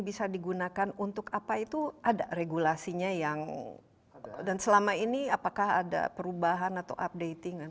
bisa digunakan untuk apa itu ada regulasinya yang dan selama ini apakah ada perubahan atau updating